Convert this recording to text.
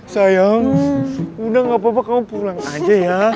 sayang udah gapapa kamu pulang aja ya